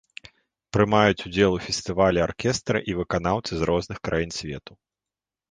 Прымаюць удзел у фестывалі аркестры і выканаўцы з розных краін свету.